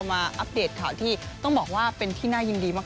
อัปเดตข่าวที่ต้องบอกว่าเป็นที่น่ายินดีมาก